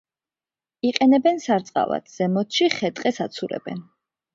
იყენებენ სარწყავად, ზემოთში ხე-ტყეს აცურებენ.